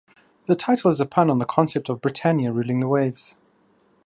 The title is a pun on the concept of Britannia ruling the waves.